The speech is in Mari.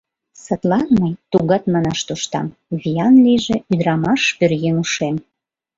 Садлан мый тугат манаш тоштам: «Виян лийже ӱдырамаш-пӧръеҥ ушем!»